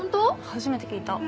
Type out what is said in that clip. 初めて聞いた。